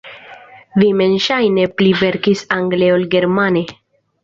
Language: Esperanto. Vi mem ŝajne pli verkis angle ol germane.